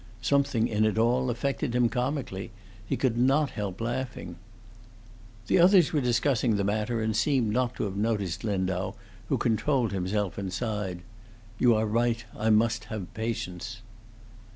Something in it all affected him comically; he could not help laughing. The others were discussing the matter, and seemed not to have noticed Lindau, who controlled himself and sighed: "You are right. I must have patience."